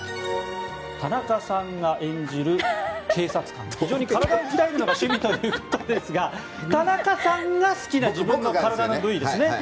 田中さんが演じる警察官非常に体を鍛えるのが趣味ということですが田中さんが好きな自分の体の部位ですね。